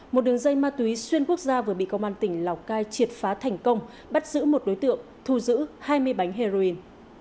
một đường dây ma túy xuyên quốc gia vừa bị công an tỉnh lào cai triệt phá thành công bắt giữ một đối tượng thu giữ hai mươi bánh heroin